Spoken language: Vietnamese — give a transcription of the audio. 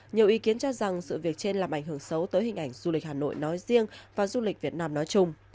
nhiều ý kiến cho rằng sự việc trên làm ảnh hưởng xấu tới hình ảnh du lịch hà nội nói riêng và du lịch việt nam nói chung